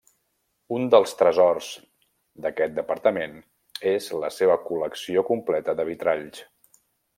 Un dels tresors d'aquest departament és la seva col·lecció completa de vitralls.